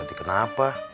aku sakit hati kenapa